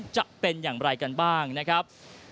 จะเป็นอย่างไรกันบ้างนะครับ